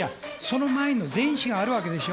その前の前史があるわけでしょ。